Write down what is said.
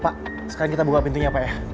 pak sekarang kita buka pintunya pak ya